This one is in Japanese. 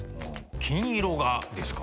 金色がですか？